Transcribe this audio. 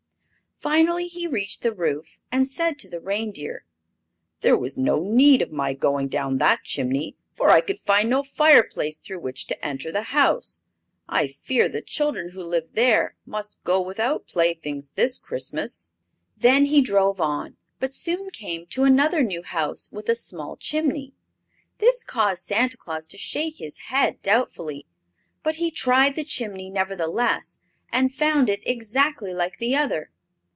Finally he reached the roof and said to the reindeer: "There was no need of my going down that chimney, for I could find no fireplace through which to enter the house. I fear the children who live there must go without playthings this Christmas." Then he drove on, but soon came to another new house with a small chimney. This caused Santa Claus to shake his head doubtfully, but he tried the chimney, nevertheless, and found it exactly like the other.